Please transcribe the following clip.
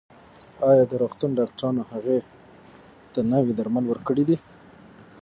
ایا د روغتون ډاکټرانو هغې ته نوي درمل ورکړي دي؟